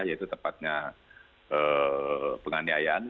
yaitu tepatnya penganiayaan